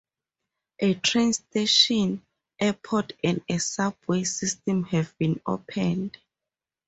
A train station, airport and a subway system have been opened.